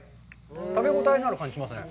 食べ応えのある感じしますね。